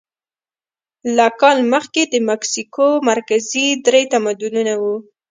له کال مخکې د مکسیکو مرکزي درې تمدنونه وو.